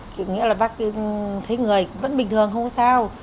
chứ nghĩa là bác thấy người vẫn bình thường không sao